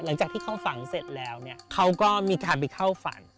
หลังจากที่เขาฝังเสร็จแล้วเนี่ยเขาก็มีการไปเข้าฝัน